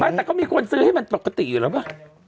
แต่ก็มีคนซื้อให้มันปกติอยู่แล้วป่ะ